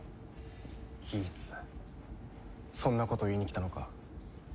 ギーツそんなこと言いに来たのか？